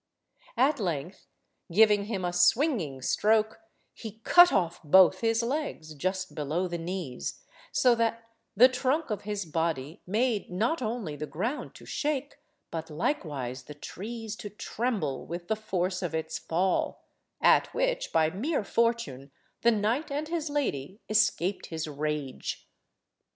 At length, giving him a swinging stroke, he cut off both his legs, just below the knees, so that the trunk of his body made not only the ground to shake, but likewise the trees to tremble with the force of its fall, at which, by mere fortune, the knight and his lady escaped his rage.